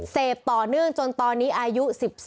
ต่อเนื่องจนตอนนี้อายุ๑๔